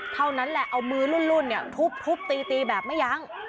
เท่านั้นแหละเอามือรุ่นเนี่ยทุบตีตีแบบไม่ยั้ง